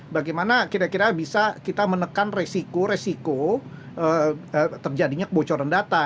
bagaimana kira kira bisa kita menekan resiko resiko terjadinya kebocoran data